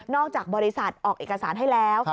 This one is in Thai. จากบริษัทออกเอกสารให้แล้ว